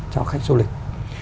cho khách du lịch